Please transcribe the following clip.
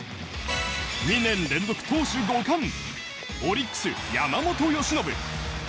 ２年連続投手５冠オリックス、山本由伸。